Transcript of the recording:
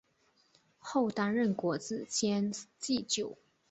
后担任国子监祭酒。